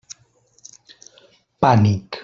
Pànic.